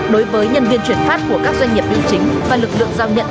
đối với nhân viên chuyển phát của các doanh nghiệp biểu chính và lực lượng giao nhận